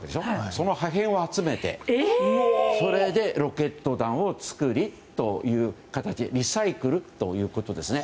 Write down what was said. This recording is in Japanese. その破片を集めてそれでロケット弾を作るというリサイクルということですね。